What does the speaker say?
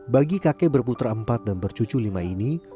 bagi kakek berputra empat dan bercucu lima ini